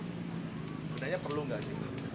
sebenarnya perlu nggak gitu